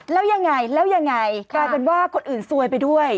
แล้วยังไงแล้วยังไงกลายเป็นว่าคนอื่นซวยไปด้วย